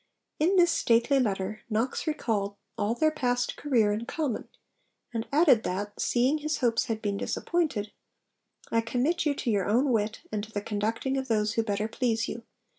In this stately letter Knox recalled all their past career in common, and added that, seeing his hopes had been disappointed, 'I commit you to your own wit, and to the conducting of those who better please you.